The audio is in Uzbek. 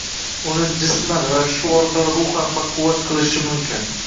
uni jisman va shu orqali ruhan baquvvat qilishi mumkin.